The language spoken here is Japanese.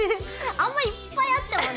あんまいっぱいあってもね。